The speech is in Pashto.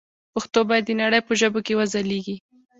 پښتو باید د نړۍ په ژبو کې وځلېږي.